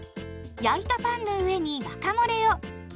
焼いたパンの上にワカモレを。